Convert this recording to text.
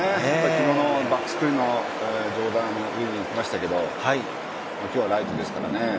昨日のバックスクリーンの上段にいきましたけど、今日はライトですからね。